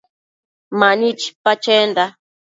Mani chipa chenda